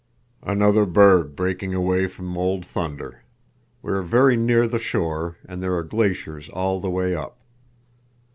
"Another berg breaking away from Old Thunder. We are very near the shore, and there are glaciers all the way up."